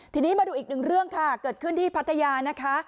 ทีนี้มาดูอีกหนึ่งเรื่องค่ะเกิดขึ้นที่พัทยานะคะ